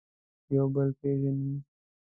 یو بل وپېژني.